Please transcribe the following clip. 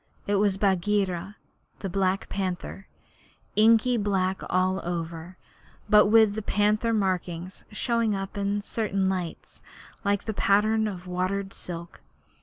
It was Bagheera the Black Panther, inky black all over, but with the panther markings showing up in certain lights like the pattern of watered silk.